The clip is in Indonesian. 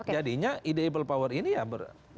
jadinya ide people power ini ya